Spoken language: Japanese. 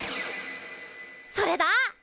それだ！